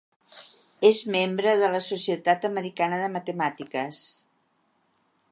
És membre de la Societat Americana de Matemàtiques.